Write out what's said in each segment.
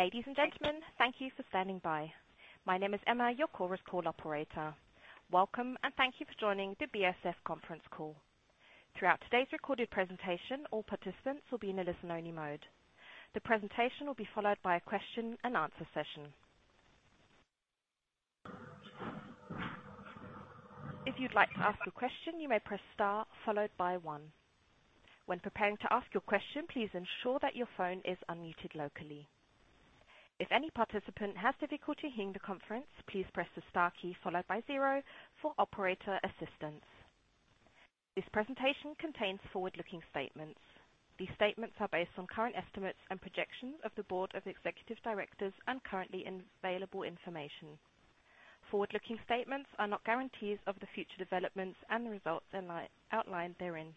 Ladies and gentlemen, thank you for standing by. My name is Emma, your Chorus Call operator. Welcome, and thank you for joining the BASF conference call. Throughout today's recorded presentation, all participants will be in a listen-only mode. The presentation will be followed by a question-and-answer session. If you'd like to ask a question, you may press star followed by one. When preparing to ask your question, please ensure that your phone is unmuted locally. If any participant has difficulty hearing the conference, please press the star key followed by zero for operator assistance. This presentation contains forward-looking statements. These statements are based on current estimates and projections of the board of executive directors and currently available information. Forward-looking statements are not guarantees of the future developments and the results outlined therein.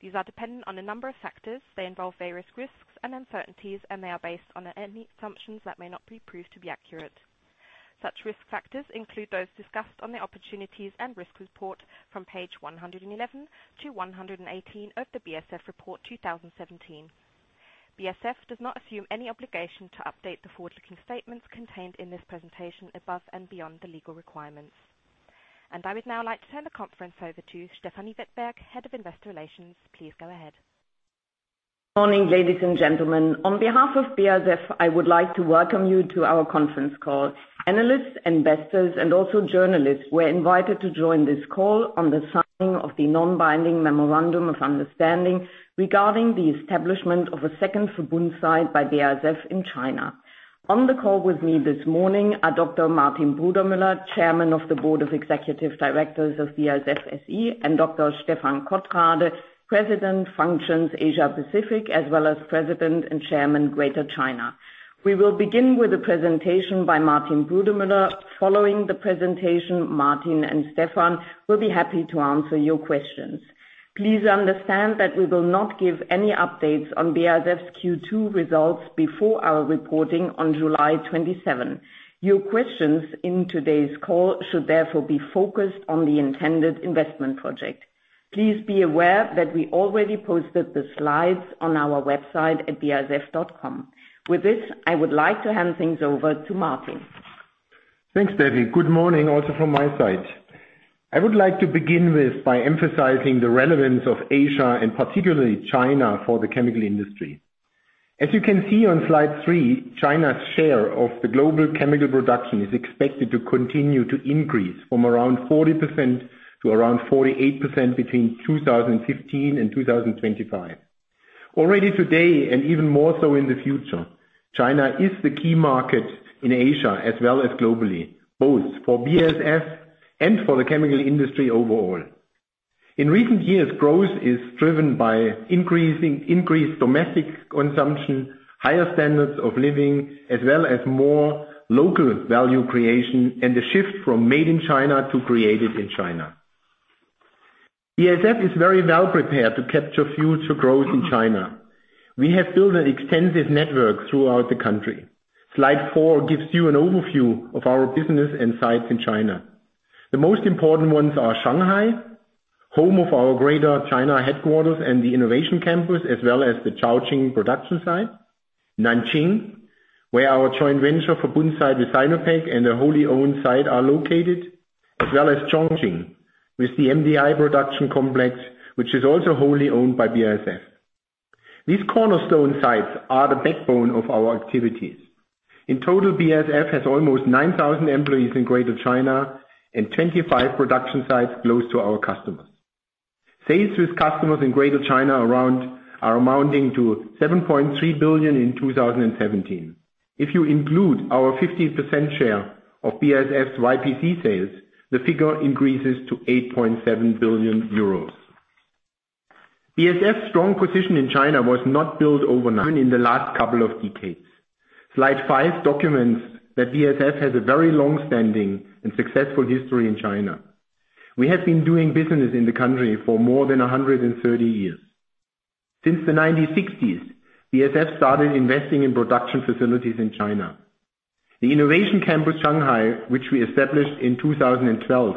These are dependent on a number of factors. They involve various risks and uncertainties, and they are based on any assumptions that may not be proved to be accurate. Such risk factors include those discussed on the opportunities and risks report from page 111 to 118 of the BASF Report 2017. BASF does not assume any obligation to update the forward-looking statements contained in this presentation above and beyond the legal requirements. I would now like to turn the conference over to Stefanie Wettberg, Head of Investor Relations. Please go ahead. Morning, ladies and gentlemen. On behalf of BASF, I would like to welcome you to our conference call. Analysts, investors, and also journalists were invited to join this call on the signing of the non-binding memorandum of understanding regarding the establishment of a second Verbund site by BASF in China. On the call with me this morning are Dr. Martin Brudermüller, Chairman of the Board of Executive Directors of BASF SE, and Dr. Stephan Kothrade, President Functions Asia Pacific, as well as President and Chairman Greater China. We will begin with a presentation by Martin Brudermüller. Following the presentation, Martin and Stephan will be happy to answer your questions. Please understand that we will not give any updates on BASF's Q2 results before our reporting on July twenty-seventh. Your questions in today's call should therefore be focused on the intended investment project. Please be aware that we already posted the slides on our website at basf.com. With this, I would like to hand things over to Martin. Thanks, Steffi. Good morning also from my side. I would like to begin with by emphasizing the relevance of Asia and particularly China for the chemical industry. As you can see on slide three, China's share of the global chemical production is expected to continue to increase from around 40% to around 48% between 2015 and 2025. Already today, and even more so in the future, China is the key market in Asia as well as globally, both for BASF and for the chemical industry overall. In recent years, growth is driven by increased domestic consumption, higher standards of living, as well as more local value creation and the shift from made in China to created in China. BASF is very well prepared to capture future growth in China. We have built an extensive network throughout the country. Slide four gives you an overview of our business and sites in China. The most important ones are Shanghai, home of our Greater China headquarters and the innovation campus, as well as the Caojing production site. Nanjing, where our joint venture Verbund site with Sinopec and the wholly-owned site are located, as well as Caojing, with the MDI production complex, which is also wholly owned by BASF. These cornerstone sites are the backbone of our activities. In total, BASF has almost 9,000 employees in Greater China and 25 production sites close to our customers. Sales to customers in Greater China are amounting to around 7.3 billion in 2017. If you include our 50% share of BASF-YPC sales, the figure increases to 8.7 billion euros. BASF's strong position in China was not built overnight, even in the last couple of decades. Slide five documents that BASF has a very long-standing and successful history in China. We have been doing business in the country for more than 130 years. Since the 1960s, BASF started investing in production facilities in China. The Innovation Campus Shanghai, which we established in 2012,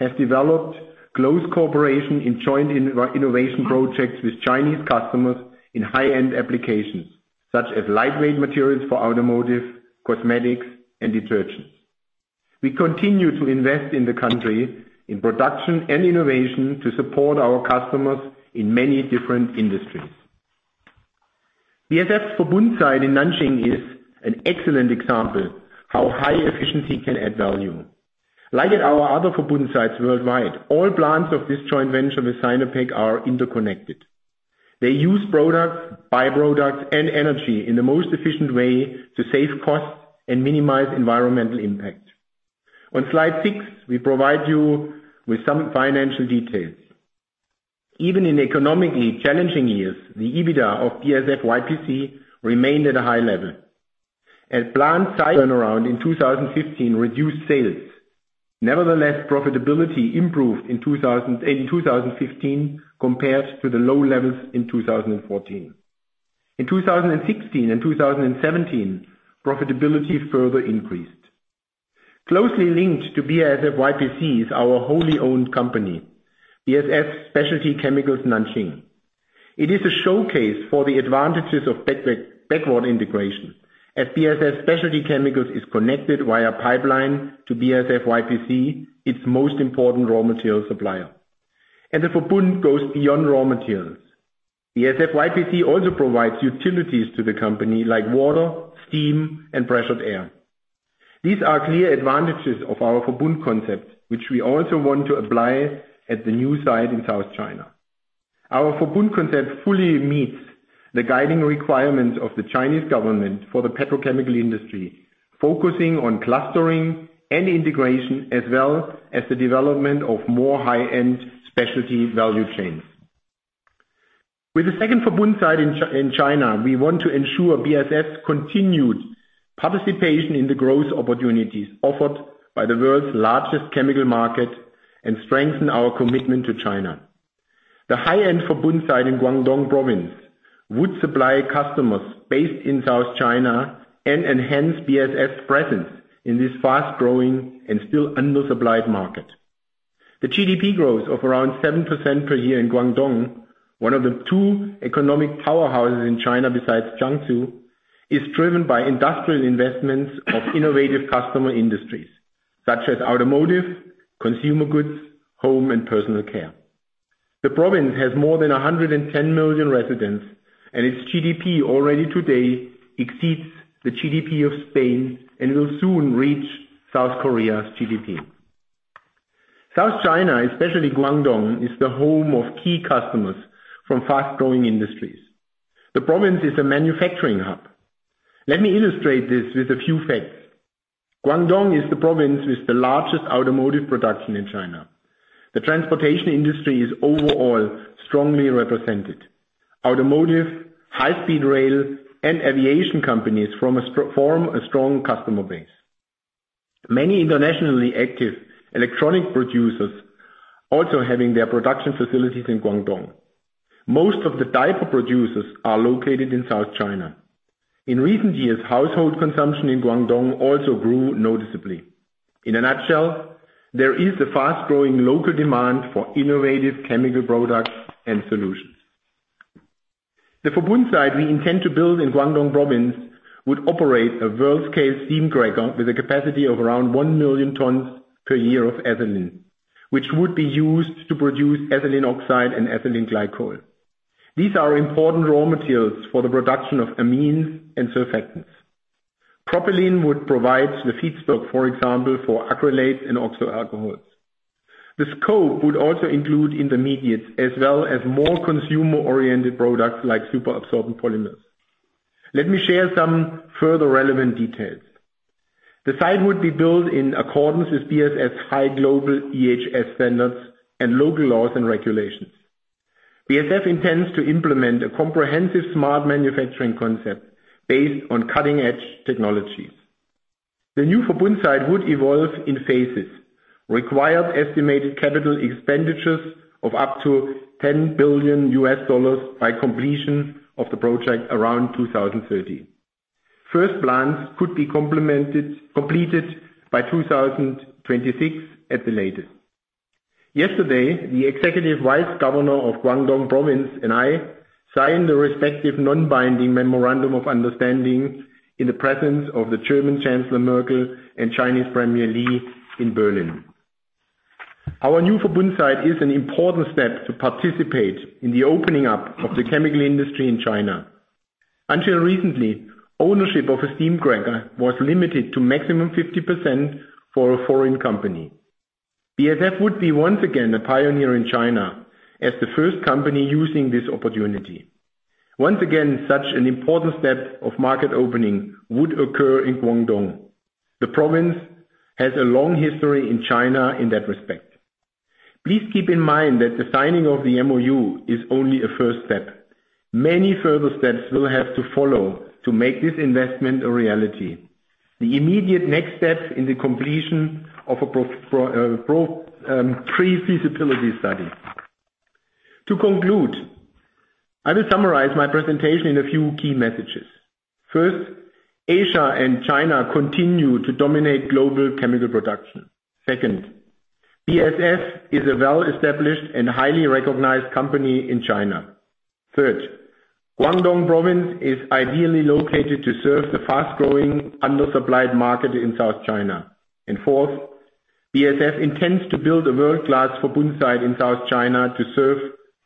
has developed close cooperation in joint innovation projects with Chinese customers in high-end applications, such as lightweight materials for automotive, cosmetics, and detergents. We continue to invest in the country in production and innovation to support our customers in many different industries. BASF Verbund site in Nanjing is an excellent example how high efficiency can add value. Like at our other Verbund sites worldwide, all plants of this joint venture with Sinopec are interconnected. They use products, by-products, and energy in the most efficient way to save costs and minimize environmental impact. On slide six, we provide you with some financial details. Even in economically challenging years, the EBITDA of BASF-YPC remained at a high level. The plant site turnaround in 2015 reduced sales. Nevertheless, profitability improved in 2015 compared to the low levels in 2014. In 2016 and 2017, profitability further increased. Closely linked to BASF-YPC is our wholly owned company, BASF Specialty Chemicals Nanjing. It is a showcase for the advantages of backward integration as BASF Specialty Chemicals Nanjing is connected via pipeline to BASF-YPC, its most important raw material supplier. The Verbund goes beyond raw materials. BASF-YPC also provides utilities to the company like water, steam, and pressurized air. These are clear advantages of our Verbund concept, which we also want to apply at the new site in South China. Our Verbund concept fully meets the guiding requirements of the Chinese government for the petrochemical industry, focusing on clustering and integration, as well as the development of more high-end specialty value chains. With the second Verbund site in China, we want to ensure BASF continued participation in the growth opportunities offered by the world's largest chemical market and strengthen our commitment to China. The high-end Verbund site in Guangdong Province would supply customers based in South China and enhance BASF presence in this fast-growing and still undersupplied market. The GDP growth of around 7% per year in Guangdong, one of the two economic powerhouses in China besides Jiangsu, is driven by industrial investments of innovative customer industries such as automotive, consumer goods, home and personal care. The province has more than 110 million residents, and its GDP already today exceeds the GDP of Spain and will soon reach South Korea's GDP. South China, especially Guangdong, is the home of key customers from fast-growing industries. The province is a manufacturing hub. Let me illustrate this with a few facts. Guangdong is the province with the largest automotive production in China. The transportation industry is overall strongly represented. Automotive, high-speed rail, and aviation companies form a strong customer base. Many internationally active electronic producers also having their production facilities in Guangdong. Most of the diaper producers are located in South China. In recent years, household consumption in Guangdong also grew noticeably. In a nutshell, there is a fast-growing local demand for innovative chemical products and solutions. The Verbund site we intend to build in Guangdong Province would operate a world-scale steam cracker with a capacity of around 1 million tons per year of ethylene, which would be used to produce ethylene oxide and ethylene glycol. These are important raw materials for the production of amines and surfactants. Propylene would provide the feedstock, for example, for acrylate and oxo-alcohols. The scope would also include intermediates as well as more consumer-oriented products like superabsorbent polymers. Let me share some further relevant details. The site would be built in accordance with BASF high global EHS standards and local laws and regulations. BASF intends to implement a comprehensive smart manufacturing concept based on cutting-edge technologies. The new Verbund site would evolve in phases, require estimated capital expenditures of up to $10 billion by completion of the project around 2030. First plants could be completed by 2026 at the latest. Yesterday, the executive vice governor of Guangdong Province and I signed the respective non-binding memorandum of understanding in the presence of the German Chancellor Merkel and Chinese Premier Li in Berlin. Our new Verbund site is an important step to participate in the opening up of the chemical industry in China. Until recently, ownership of a steam cracker was limited to maximum 50% for a foreign company. BASF would be once again a pioneer in China as the first company using this opportunity. Once again, such an important step of market opening would occur in Guangdong. The province has a long history in China in that respect. Please keep in mind that the signing of the MoU is only a first step. Many further steps will have to follow to make this investment a reality. The immediate next step in the completion of a pre-feasibility study. To conclude, I will summarize my presentation in a few key messages. First, Asia and China continue to dominate global chemical production. Second, BASF is a well-established and highly recognized company in China. Third, Guangdong Province is ideally located to serve the fast-growing, undersupplied market in South China. Fourth, BASF intends to build a world-class Verbund site in South China to serve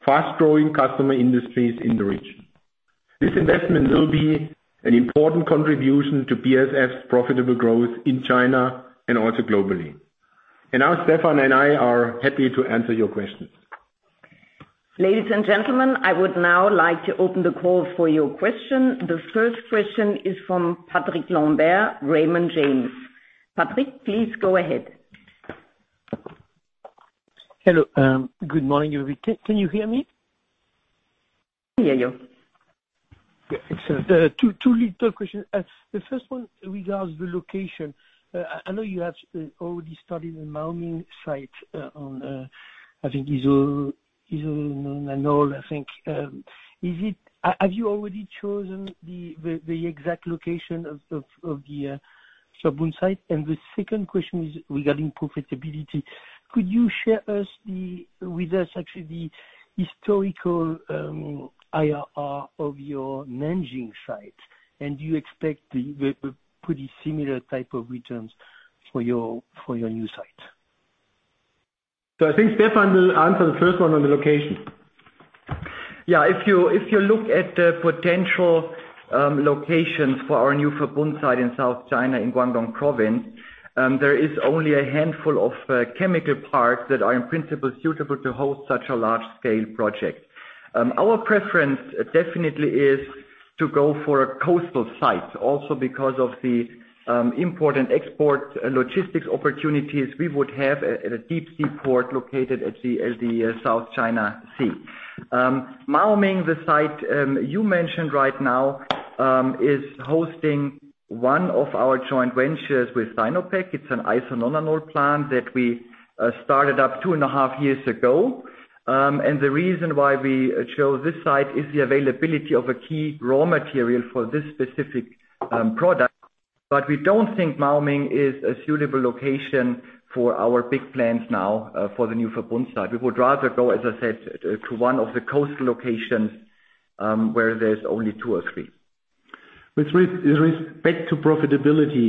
fast-growing customer industries in the region. This investment will be an important contribution to BASF profitable growth in China and also globally. Now Stephan and I are happy to answer your questions. Ladies and gentlemen, I would now like to open the call for your questions. The first question is from Patrick Lambert, Raymond James. Patrick, please go ahead. Hello. Good morning, everybody. Can you hear me? We hear you. Yeah, excellent. Two little questions. The first one regards the location. I know you have already started the Maoming site on I think it's all known, I think. Have you already chosen the exact location of the Verbund site? The second question is regarding profitability. Could you share with us, actually, the historical IRR of your Nanjing site? Do you expect a pretty similar type of returns for your new site? I think Stephan will answer the first one on the location. If you look at the potential locations for our new Verbund site in South China, in Guangdong Province, there is only a handful of chemical parks that are, in principle, suitable to host such a large-scale project. Our preference definitely is to go for a coastal site also because of the import and export logistics opportunities we would have at a deep sea port located at the South China Sea. Maoming, the site you mentioned right now, is hosting one of our joint ventures with Sinopec. It's an isononanol plant that we started up 2.5 years ago. The reason why we chose this site is the availability of a key raw material for this specific product. We don't think Maoming is a suitable location for our big plans now, for the new Verbund site. We would rather go, as I said, to one of the coastal locations, where there's only two or three. With respect to profitability,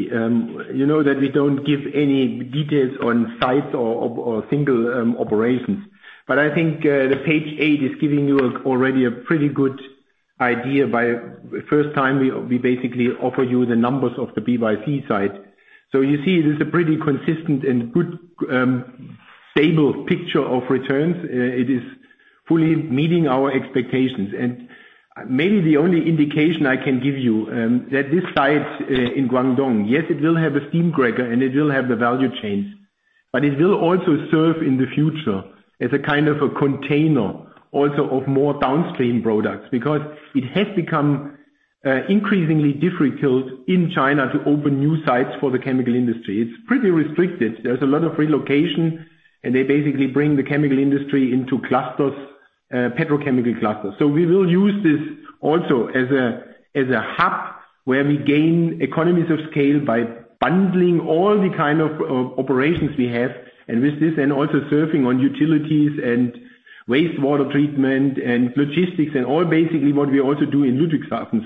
you know that we don't give any details on sites or single operations. I think the page eight is giving you already a pretty good idea by the first time we basically offer you the numbers of the BASF-YPC site. You see, this is a pretty consistent and good stable picture of returns. It is fully meeting our expectations. Maybe the only indication I can give you that this site in Guangdong, yes, it will have a steam cracker, and it will have the value chains, but it will also serve in the future as a kind of a container also of more downstream products. Because it has become increasingly difficult in China to open new sites for the chemical industry. It's pretty restricted. There's a lot of relocation, and they basically bring the chemical industry into clusters, petrochemical clusters. We will use this also as a hub where we gain economies of scale by bundling all the kind of operations we have. With this, also serving on utilities and wastewater treatment and logistics and all, basically what we also do in Ludwigshafen.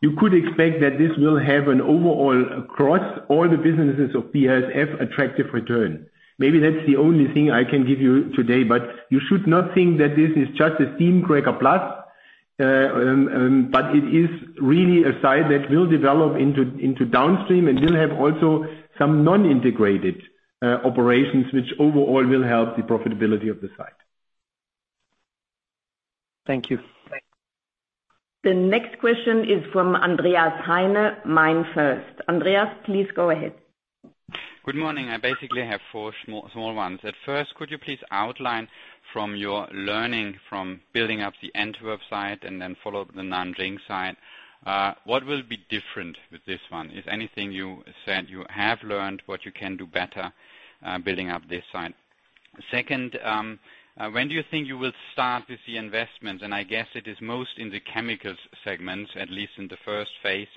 You could expect that this will have an overall, across all the businesses of BASF, attractive return. Maybe that's the only thing I can give you today, you should not think that this is just a steam cracker plus. It is really a site that will develop into downstream and will have also some non-integrated operations which overall will help the profitability of the site. Thank you. Thanks. The next question is from Andreas Heine, MainFirst. Andreas, please go ahead. Good morning. I basically have four small ones. At first, could you please outline from your learning from building up the Antwerp site and then the Nanjing site, what will be different with this one? Is there anything you have learned, what you can do better building up this site? Second, when do you think you will start with the investments? I guess it is most in the chemicals segments, at least in the first phase.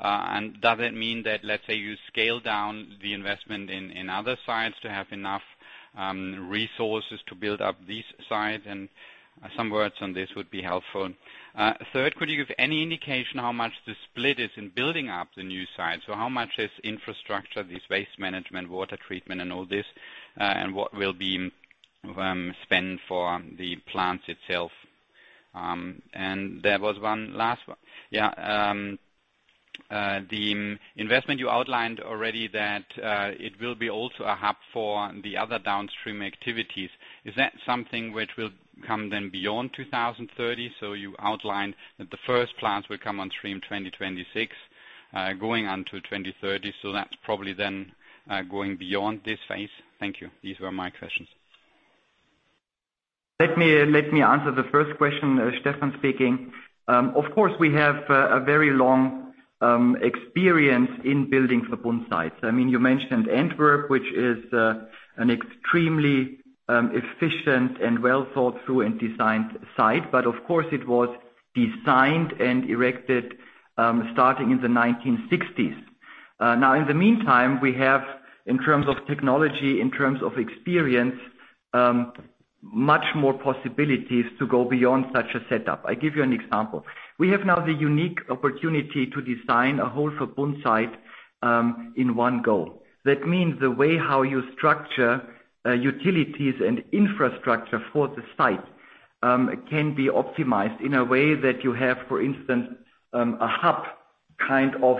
Does it mean that, let's say, you scale down the investment in other sites to have enough resources to build up these sites? Some words on this would be helpful. Third, could you give any indication how much the split is in building up the new site? How much is infrastructure, this waste management, water treatment and all this, and what will be spent for the plants itself? There was one last one. Yeah. The investment you outlined already that it will be also a hub for the other downstream activities. Is that something which will come then beyond 2030? You outlined that the first plants will come on stream in 2026, going on to 2030. That's probably then going beyond this phase. Thank you. These were my questions. Let me answer the first question, Stephan speaking. Of course, we have a very long experience in building Verbund sites. I mean, you mentioned Antwerp, which is an extremely efficient and well-thought through and designed site, but of course it was designed and erected starting in the 1960s. Now, in the meantime, we have, in terms of technology, in terms of experience, much more possibilities to go beyond such a setup. I give you an example. We have now the unique opportunity to design a whole Verbund site in one go. That means the way how you structure utilities and infrastructure for the site can be optimized in a way that you have, for instance, a hub kind of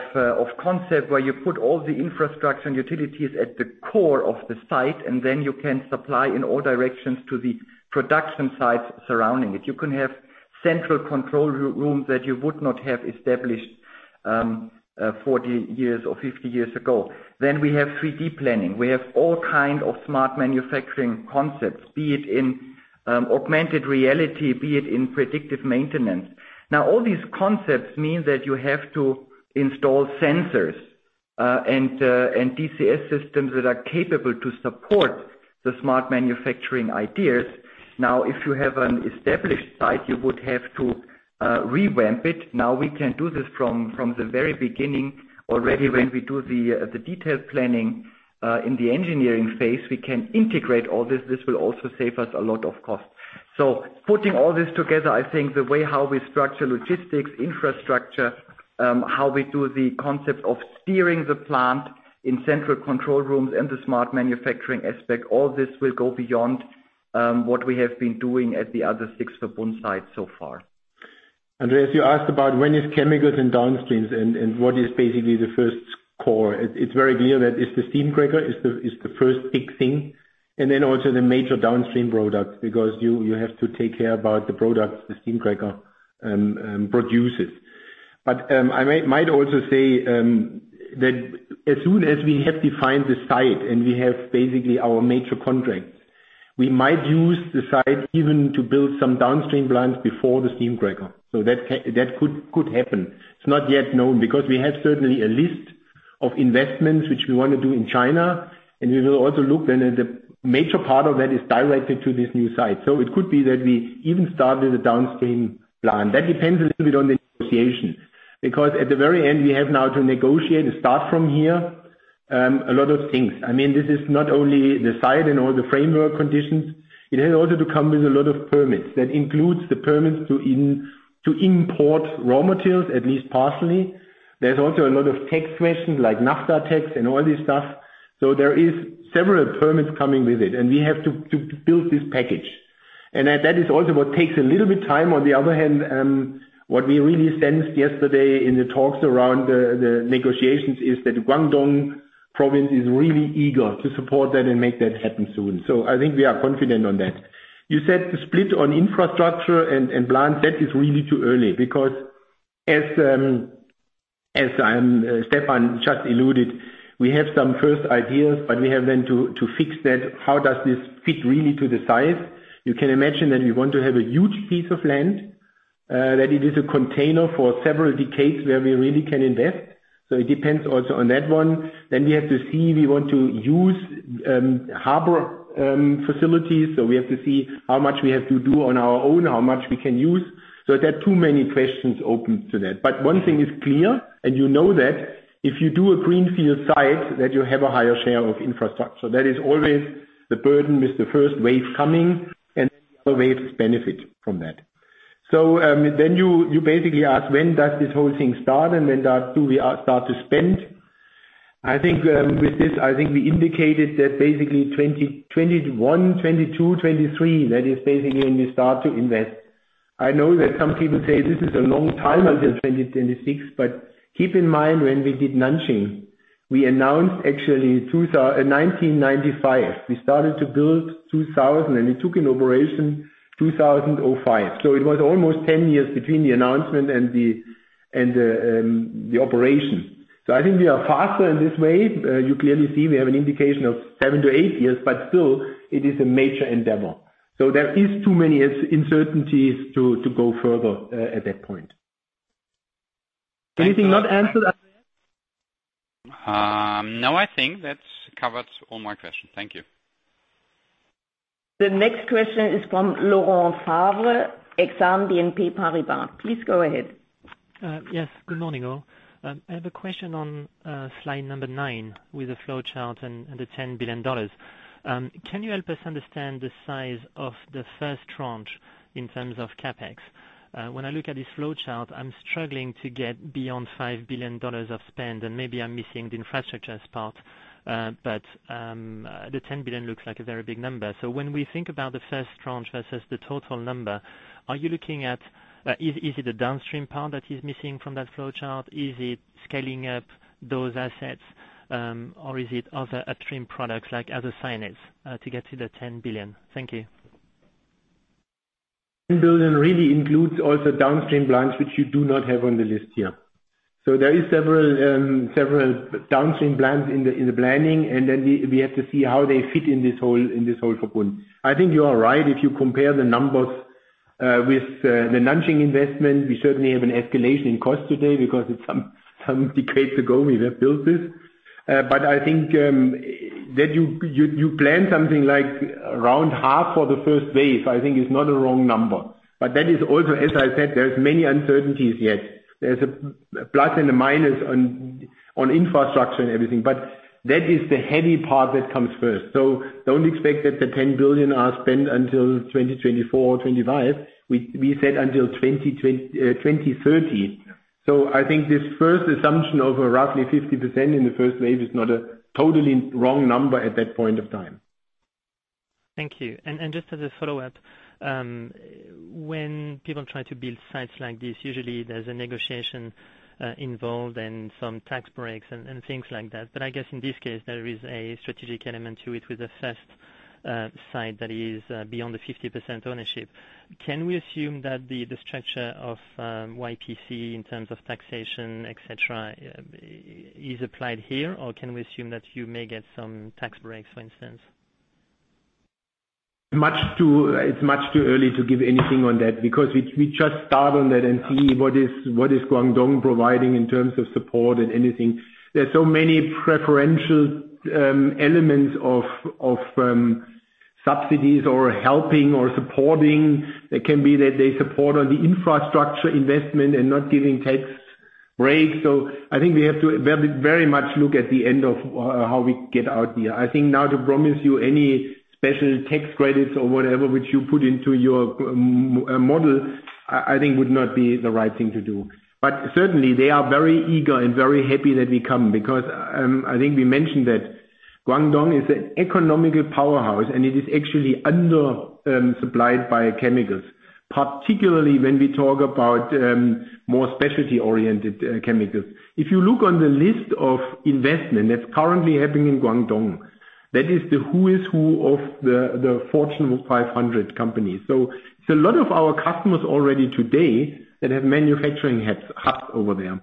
concept, where you put all the infrastructure and utilities at the core of the site, and then you can supply in all directions to the production sites surrounding it. You can have central control room that you would not have established 40 years or 50 years ago. We have 3D planning. We have all kind of smart manufacturing concepts, be it in augmented reality, be it in predictive maintenance. Now, all these concepts mean that you have to install sensors and DCS systems that are capable to support the smart manufacturing ideas. Now, if you have an established site, you would have to revamp it. Now we can do this from the very beginning. Already when we do the detailed planning in the engineering phase, we can integrate all this. This will also save us a lot of cost. Putting all this together, I think the way how we structure logistics, infrastructure, how we do the concept of steering the plant in central control rooms and the smart manufacturing aspect, all this will go beyond what we have been doing at the other six Verbund sites so far. Andreas, you asked about when is chemicals and downstreams and what is basically the first core. It's very clear that the steam cracker is the first big thing, and then also the major downstream product because you have to take care about the products the steam cracker produces. I might also say that as soon as we have defined the site and we have basically our major contracts, we might use the site even to build some downstream plants before the steam cracker. That could happen. It's not yet known because we have certainly a list of investments which we wanna do in China, and we will also look when the major part of that is directed to this new site. It could be that we even started a downstream plant. That depends a little bit on the negotiation, because at the very end, we have now to negotiate and start from here, a lot of things. I mean, this is not only the site and all the framework conditions. It has also to come with a lot of permits. That includes the permits to import raw materials, at least partially. There's also a lot of tax questions like VAT tax and all this stuff. There is several permits coming with it, and we have to build this package. That is also what takes a little bit time. On the other hand, what we really sensed yesterday in the talks around the negotiations is that Guangdong Province is really eager to support that and make that happen soon. I think we are confident on that. You said the split on infrastructure and plant, that is really too early because as Stephan just alluded, we have some first ideas, but we have then to fix that. How does this fit really to the size? You can imagine that we want to have a huge piece of land, that it is a container for several decades where we really can invest. It depends also on that one. We have to see, we want to use harbor facilities. We have to see how much we have to do on our own, how much we can use. There are too many questions open to that. One thing is clear, and you know that. If you do a greenfield site, that you have a higher share of infrastructure. That is always the burden with the first wave coming and other waves benefit from that. Then you basically ask, when does this whole thing start and when do we start to spend? I think with this, I think we indicated that basically 2021, 2022, 2023, that is basically when we start to invest. I know that some people say this is a long time until 2026, but keep in mind, when we did Nanjing, we announced actually 1995. We started to build 2000, and it took in operation 2005. It was almost 10 years between the announcement and the operation. I think we are faster in this way. You clearly see we have an indication of seven to eight years, but still it is a major endeavor. There is too many uncertainties to go further at that point. Anything not answered, Andreas? No, I think that's covered all my questions. Thank you. The next question is from Laurent Favre, Exane BNP Paribas. Please go ahead. Yes. Good morning, all. I have a question on slide number nine with the flowchart and the $10 billion. Can you help us understand the size of the first tranche in terms of CapEx? When I look at this flowchart, I'm struggling to get beyond $5 billion of spend, and maybe I'm missing the infrastructure as part. The $10 billion looks like a very big number. When we think about the first tranche versus the total number, are you looking at the downstream part that is missing from that flowchart? Is it scaling up those assets? Or is it other upstream products like other finance to get to the $10 billion? Thank you. 10 billion really includes all the downstream plants which you do not have on the list here. There is several downstream plants in the planning, and then we have to see how they fit in this whole Verbund. I think you are right. If you compare the numbers with the Nanjing investment, we certainly have an escalation in cost today because it's some decades ago we have built this. I think that you plan something like around half for the first phase. I think it's not a wrong number. That is also, as I said, there's many uncertainties yet. There's a plus and a minus on infrastructure and everything. That is the heavy part that comes first. Don't expect that the 10 billion are spent until 2024 or 2025. We said until 2030. I think this first assumption of roughly 50% in the first wave is not a totally wrong number at that point of time. Thank you. Just as a follow-up, when people try to build sites like this, usually there's a negotiation involved and some tax breaks and things like that. I guess in this case, there is a strategic element to it with the first site that is beyond the 50% ownership. Can we assume that the structure of YPC in terms of taxation, et cetera, is applied here, or can we assume that you may get some tax breaks, for instance? It's much too early to give anything on that because we just start on that and see what is Guangdong providing in terms of support and anything. There are so many preferential elements of subsidies or helping or supporting. It can be that they support on the infrastructure investment and not giving tax breaks. I think we have to very much look at the end of how we get out here. I think now to promise you any special tax credits or whatever, which you put into your model, I think would not be the right thing to do. Certainly, they are very eager and very happy that we come because I think we mentioned that Guangdong is an economic powerhouse, and it is actually undersupplied by chemicals. Particularly when we talk about more specialty-oriented chemicals. If you look on the list of investment that's currently happening in Guangdong, that is the who's who of the Fortune 500 companies. It's a lot of our customers already today that have manufacturing hubs over there.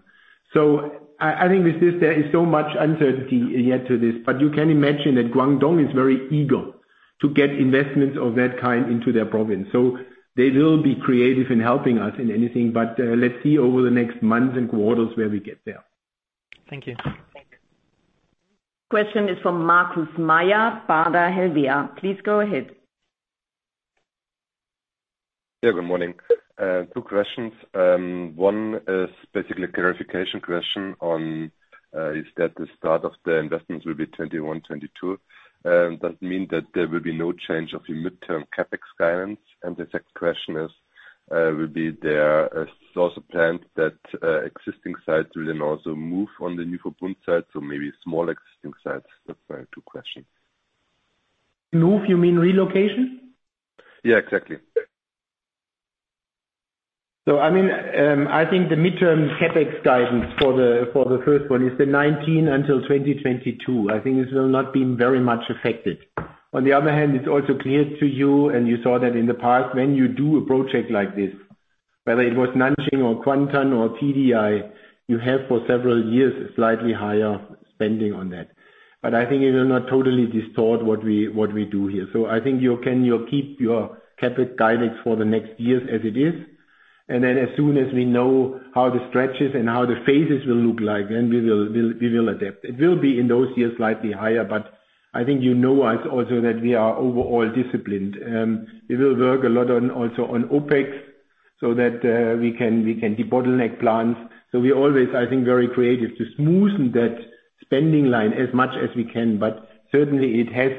I think there is so much uncertainty yet to this. You can imagine that Guangdong is very eager to get investments of that kind into their province. They will be creative in helping us in anything. Let's see over the next months and quarters where we get there. Thank you. Question is from Markus Mayer, Baader Helvea. Please go ahead. Yeah, good morning. Two questions. One is basically a clarification question on the start of the investments will be 2021, 2022. Does it mean that there will be no change of your midterm CapEx guidance? The second question is, will there also be plans that existing sites will then also move to the new Verbund site, so maybe small existing sites? That's my two questions. Move, you mean relocation? Yeah, exactly. I mean, I think the midterm CapEx guidance for the first one is 2019 until 2022. I think this will not be very much affected. On the other hand, it's also clear to you, and you saw that in the past, when you do a project like this, whether it was Nanjing or Kuantan or TDI, you have for several years slightly higher spending on that. I think it will not totally distort what we do here. I think you can keep your CapEx guidance for the next years as it is. As soon as we know how the stretches and the phases will look like, we will adapt. It will be in those years slightly higher, but I think you know us also that we are overall disciplined. It will work a lot on also on OPEX so that we can debottleneck plants. We always, I think, very creative to smoothen that spending line as much as we can, but certainly it has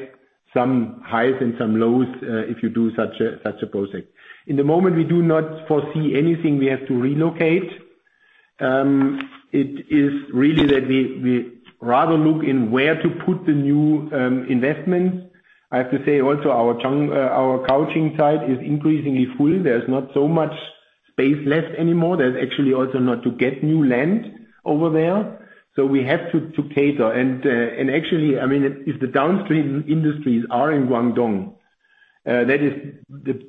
some highs and some lows if you do such a project. In the moment, we do not foresee anything we have to relocate. It is really that we rather look in where to put the new investments. I have to say also our Caojing site is increasingly full. There's not so much space left anymore. There's actually also not to get new land over there. We have to cater. Actually, I mean, if the downstream industries are in Guangdong, that is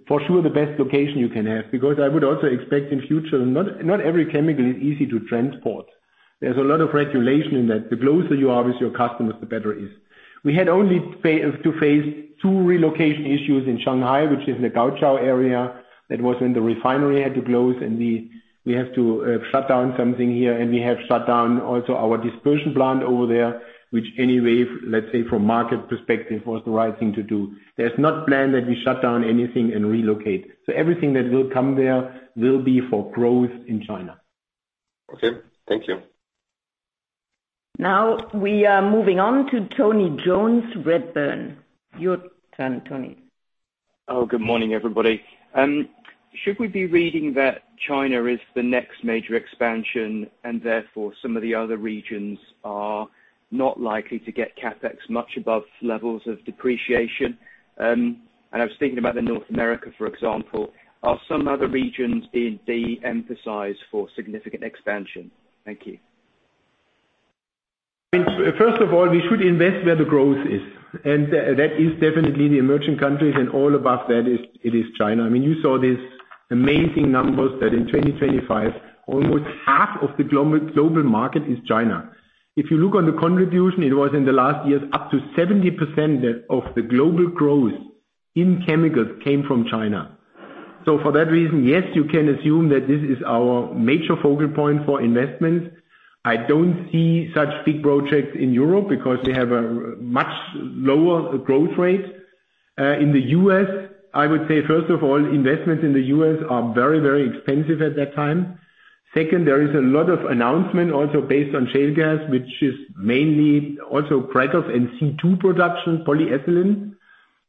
for sure the best location you can have. Because I would also expect in future, not every chemical is easy to transport. There's a lot of regulation in that. The closer you are with your customers, the better it is. We had only to face two relocation issues in Shanghai, which is in the Gaoqiao area. That was when the refinery had to close, and we have to shut down something here. We have shut down also our dispersion plant over there, which anyway, let's say from market perspective, was the right thing to do. There's no plan that we shut down anything and relocate. Everything that will come there will be for growth in China. Okay. Thank you. Now we are moving on to Tony Jones, Redburn. Your turn, Tony. Oh, good morning, everybody. Should we be reading that China is the next major expansion and therefore some of the other regions are not likely to get CapEx much above levels of depreciation? I was thinking about the North America, for example. Are some other regions being de-emphasized for significant expansion? Thank you. First of all, we should invest where the growth is, and that is definitely the emerging countries, and above all, it is China. I mean, you saw these amazing numbers that in 2025, almost half of the global market is China. If you look on the contribution, it was in the last years, up to 70% of the global growth in chemicals came from China. For that reason, yes, you can assume that this is our major focal point for investments. I don't see such big projects in Europe because they have a much lower growth rate. In the U.S., I would say, first of all, investments in the U.S. are very, very expensive at that time. Second, there is a lot of announcements also based on shale gas, which is mainly also cracking of C2 production polyethylene,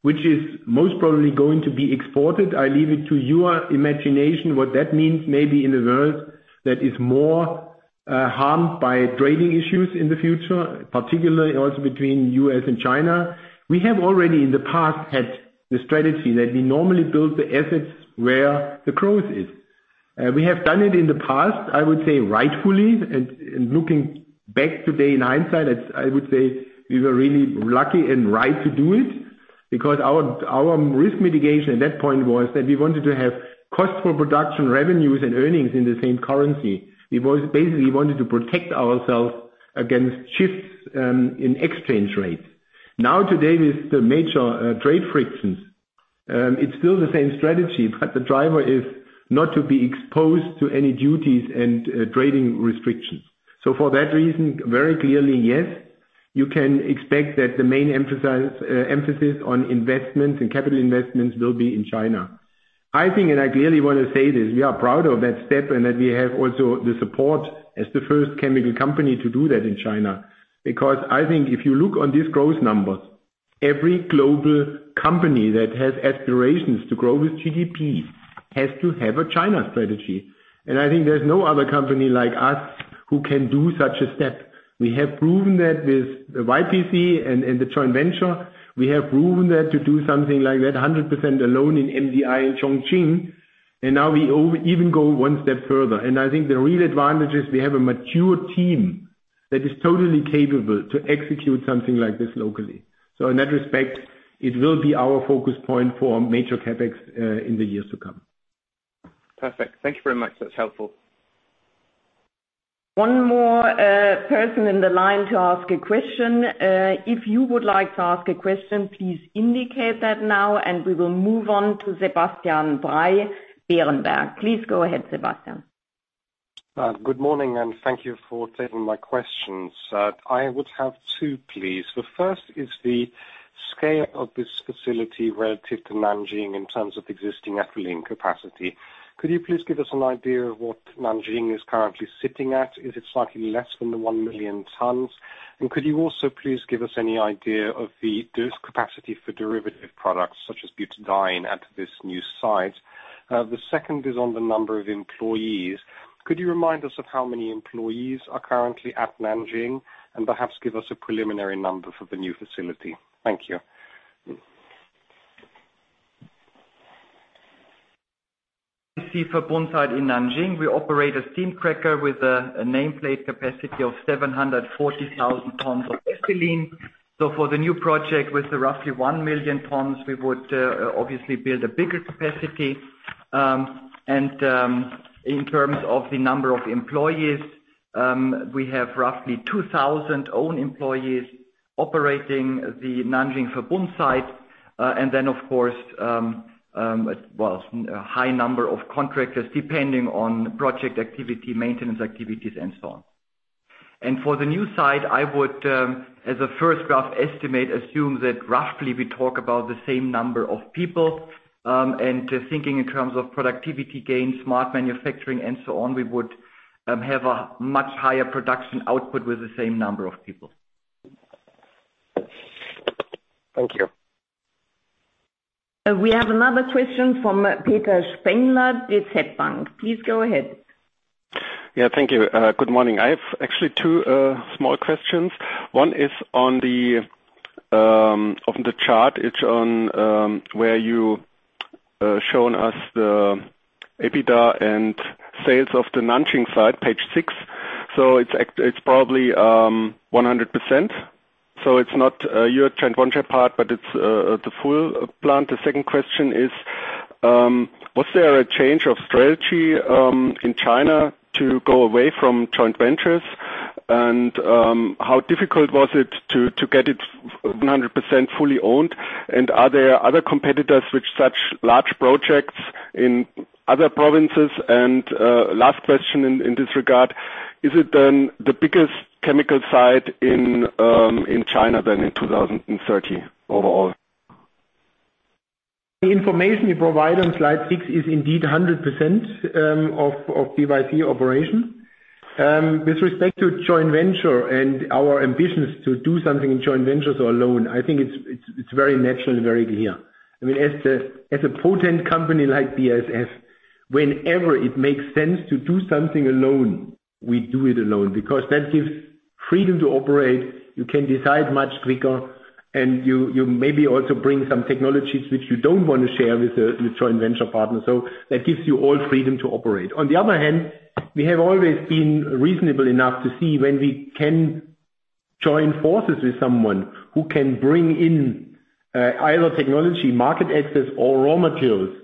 which is most probably going to be exported. I leave it to your imagination what that means maybe in a world that is more harmed by trading issues in the future, particularly also between U.S. and China. We have already in the past had the strategy that we normally build the assets where the growth is. We have done it in the past, I would say rightfully, and looking back today in hindsight, I would say we were really lucky and right to do it. Because our risk mitigation at that point was that we wanted to have cost for production revenues and earnings in the same currency. Basically, we wanted to protect ourselves against shifts in exchange rate. Now today with the major trade frictions, it's still the same strategy, but the driver is not to be exposed to any duties and trading restrictions. For that reason, very clearly, yes, you can expect that the main emphasis on investments and capital investments will be in China. I think, and I clearly want to say this, we are proud of that step and that we have also the support as the first chemical company to do that in China. Because I think if you look on these growth numbers, every global company that has aspirations to grow with GDP has to have a China strategy. I think there's no other company like us who can do such a step. We have proven that with YPC and the joint venture. We have proven that to do something like that 100% alone in MDI, in Chongqing, and now we even go one step further. I think the real advantage is we have a mature team that is totally capable to execute something like this locally. In that respect, it will be our focus point for major CapEx in the years to come. Perfect. Thank you very much. That's helpful. One more person in the line to ask a question. If you would like to ask a question, please indicate that now, and we will move on to Sebastian. Please go ahead, Sebastian. Good morning, and thank you for taking my questions. I would have two, please. The first is the scale of this facility relative to Nanjing in terms of existing ethylene capacity. Could you please give us an idea of what Nanjing is currently sitting at? Is it slightly less than 1 million tons? Could you also please give us any idea of this capacity for derivative products such as butadiene at this new site? The second is on the number of employees. Could you remind us of how many employees are currently at Nanjing, and perhaps give us a preliminary number for the new facility? Thank you. See, for the site in Nanjing, we operate a steam cracker with a nameplate capacity of 740,000 tons of ethylene. For the new project with the roughly 1 million tons, we would obviously build a bigger capacity. In terms of the number of employees, we have roughly 2,000 own employees operating the Nanjing Verbund site. Then, of course, well, high number of contractors depending on project activity, maintenance activities, and so on. For the new site, I would, as a first rough estimate, assume that roughly we talk about the same number of people, and thinking in terms of productivity gains, smart manufacturing, and so on, we would have a much higher production output with the same number of people. Thank you. We have another question from Peter Spengler, DZ Bank. Please go ahead. Yeah, thank you. Good morning. I have actually two small questions. One is on the chart. It's on where you shown us the EBITDA and sales of the Nanjing site, page six. So it's 100%. So it's not your joint venture part, but it's the full plant. The second question is was there a change of strategy in China to go away from joint ventures? And how difficult was it to get it 100% fully owned? And are there other competitors with such large projects in other provinces? And last question in this regard, is it then the biggest chemical site in China by 2030 overall? The information we provide on slide six is indeed 100% of BASF-YPC operation. With respect to joint venture and our ambitions to do something in joint ventures or alone, I think it's very natural and very clear. I mean, as a potent company like BASF, whenever it makes sense to do something alone, we do it alone because that gives freedom to operate. You can decide much quicker and you maybe also bring some technologies which you don't want to share with the joint venture partners. That gives you all freedom to operate. On the other hand, we have always been reasonable enough to see when we can join forces with someone who can bring in either technology, market access or raw materials,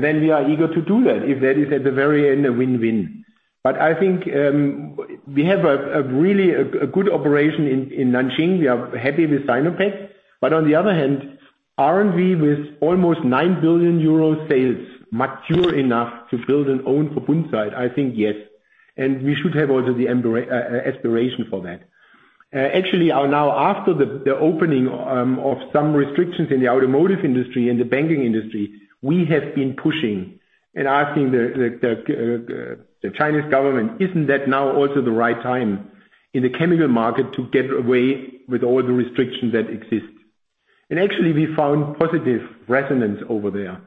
then we are eager to do that if that is at the very end, a win-win. I think we have a really good operation in Nanjing. We are happy with Sinopec. On the other hand, aren't we with almost 9 billion euro sales mature enough to build our own Verbund site? I think, yes. We should have also the ambition for that. Actually, now after the opening of some restrictions in the automotive industry and the banking industry, we have been pushing and asking the Chinese government, isn't that now also the right time in the chemical market to get away with all the restrictions that exist? Actually, we found positive resonance over there.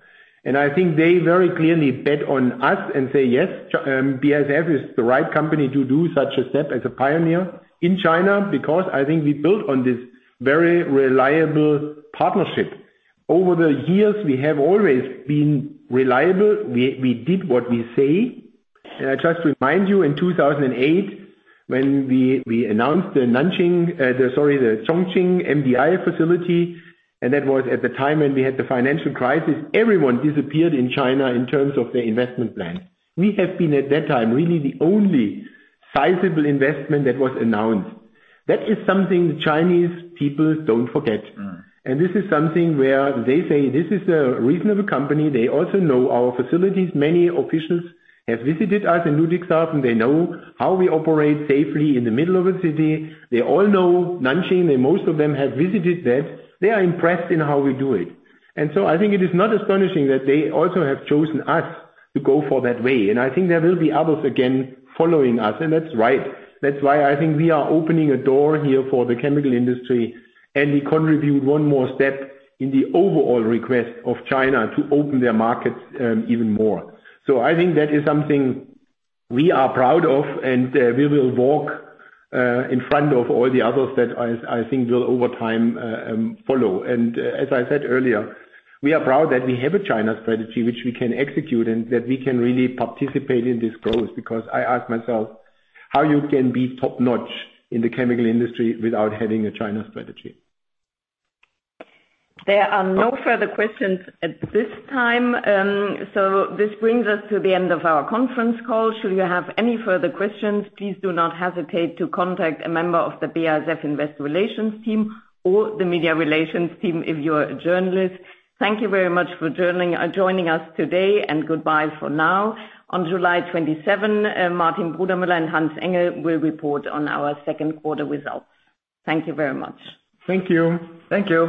I think they very clearly bet on us and say, "Yes, BASF is the right company to do such a step as a pioneer in China," because I think we built on this very reliable partnership. Over the years, we have always been reliable. We did what we say. I just remind you, in 2008 when we announced the Nanjing, the Chongqing MDI facility, and that was at the time when we had the financial crisis, everyone disappeared in China in terms of their investment plans. We have been, at that time, really the only sizable investment that was announced. That is something the Chinese people don't forget. This is something where they say, "This is a reasonable company." They also know our facilities. Many officials have visited us in Ludwigshafen. They know how we operate safely in the middle of a city. They all know Nanjing, and most of them have visited that. They are impressed in how we do it. I think it is not astonishing that they also have chosen us to go for that way. I think there will be others again following us, and that's right. That's why I think we are opening a door here for the chemical industry, and we contribute one more step in the overall request of China to open their markets, even more. I think that is something we are proud of, and we will walk in front of all the others that I think will over time follow. As I said earlier, we are proud that we have a China strategy which we can execute and that we can really participate in this growth. Because I ask myself, how you can be top-notch in the chemical industry without having a China strategy. There are no further questions at this time. This brings us to the end of our conference call. Should you have any further questions, please do not hesitate to contact a member of the BASF Investor Relations team or the media relations team if you're a journalist. Thank you very much for joining us today and goodbye for now. On July 27, Martin Brudermüller and Hans-Ulrich Engel will report on our second quarter results. Thank you very much. Thank you. Thank you.